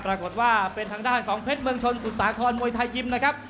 ปรากฏว่าเป็นทางด้านของเพชรเมืองชนสุสาครมวยไทยยิมนะครับ